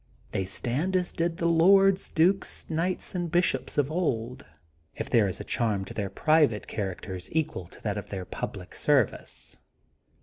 They stand as did the lords, dukes, knights, and bishops of old, if there is a charm to their private characters equal to th^t of their pubUc service.